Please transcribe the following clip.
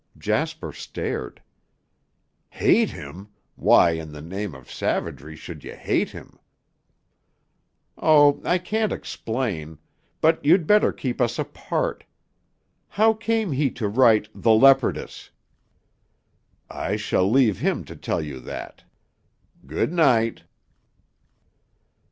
Jasper stared. "Hate him! Why, in the name of savagery, should you hate him?" "Oh, I can't explain. But you'd better keep us apart. How came he to write 'The Leopardess'?" "I shall leave him to tell you that. Good night."